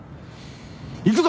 行くぞ！